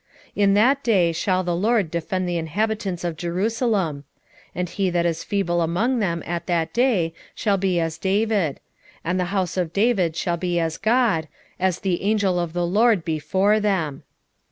12:8 In that day shall the LORD defend the inhabitants of Jerusalem; and he that is feeble among them at that day shall be as David; and the house of David shall be as God, as the angel of the LORD before them.